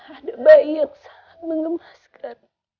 ada bayi yang sangat mengemaskan